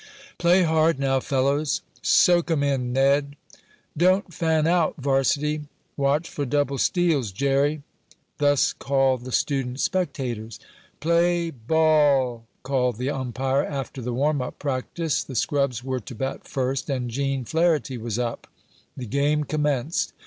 "Play hard now, fellows!" "Soak 'em in, Ned!" "Don't fan out varsity!" "Watch for double steals, Jerry!" Thus called the student spectators. "Play ball!" called the umpire, after the warm up practice. The scrubs were to bat first, and Gene Flarity was up. The game commenced.